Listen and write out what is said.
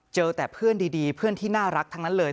เจอแต่เพื่อนดีเพื่อนที่น่ารักทั้งนั้นเลย